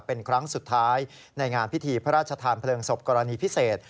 เป็นครั้งสุดท้ายในงานพิธีพระราชทานเพลิงศพกรณีพิเศษ